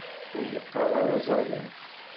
Ur yeɣɣar ara aẓawan.